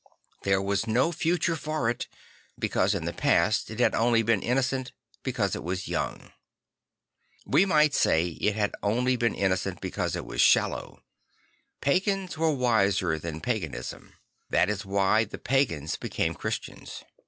There was no future for it; because in the past it had only been innocent because it was young. \Ve might say it had only been innocent because it was shallow. Pagans were wiser than paganism; that is \vhy the pagans became Christians.